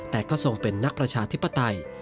แต่ก็ทรงเป็นนักประชาธิปไตย